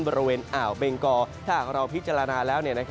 บริเวณอ่าวเบงกอถ้าหากเราพิจารณาแล้ว